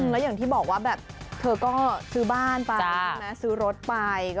แล้วอย่างที่บอกว่าแบบเธอก็ซื้อบ้านไปใช่ไหมซื้อรถไป